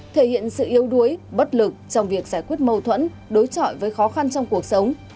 thể hiện sự yếu đuối bất lực trong việc giải quyết mâu thuẫn đối chọi với khó khăn trong cuộc sống